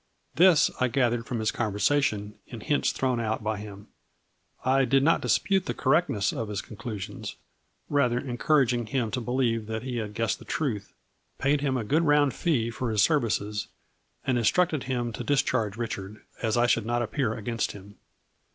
This I gathered from his conversation, in hints thrown out by him. I did not dispute the cor rectness of his conclusions, rather encouraging him to believe that he had guessed the truth, paid him a good round fee for his services and instructed him to discharge Richard, as I should not appear against him.